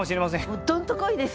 もうドンと来いですよ！